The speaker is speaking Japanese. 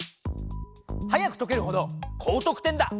早く解けるほど高得点だ。